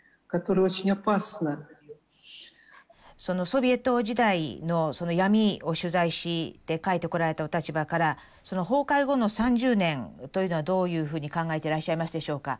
ソビエト時代のその闇を取材して書いてこられたお立場から崩壊後の３０年というのはどういうふうに考えてらっしゃいますでしょうか？